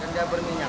karena ga berminyak